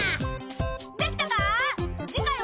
できたか？